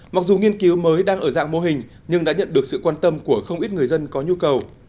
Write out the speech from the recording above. mặc dù nghiên cứu mới đang ở dạng mô hình nhưng đã nhận được sự quan tâm của không ít người dân có nhu cầu